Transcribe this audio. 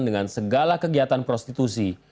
dengan segala kegiatan prostitusi